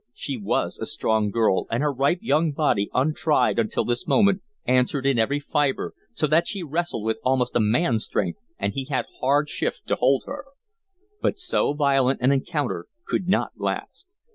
She was a strong girl, and her ripe young body, untried until this moment, answered in every fibre, so that she wrestled with almost a man's strength and he had hard shift to hold her. But so violent an encounter could not last.